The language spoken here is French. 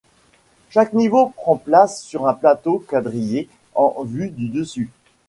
Chaque niveau prend place sur un plateau quadrillé en vue du dessus.